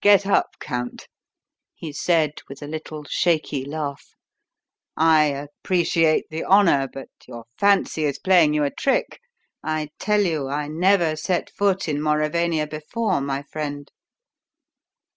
"Get up, Count," he said, with a little shaky laugh. "I appreciate the honour, but your fancy is playing you a trick. I tell you I never set foot in Mauravania before, my friend."